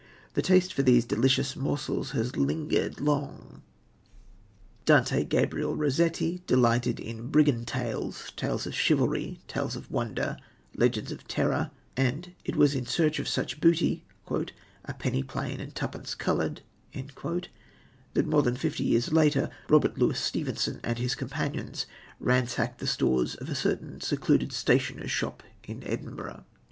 The taste for these delicious morsels has lingered long. Dante Gabriel Rossetti delighted in Brigand Tales, Tales of Chivalry, Tales of Wonder, Legends of Terror; and it was in search of such booty, "a penny plain and twopence coloured" that, more than fifty years later, Robert Louis Stevenson and his companions ransacked the stores of a certain secluded stationer's shop in Edinburgh.